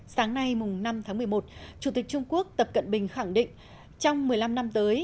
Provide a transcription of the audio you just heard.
sáng nay năm tháng một mươi một chủ tịch trung quốc tập cận bình khẳng định trong một mươi năm năm tới